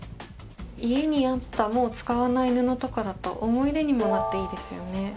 家にあったもう使わない布とかだと思い出にもなっていいですよね。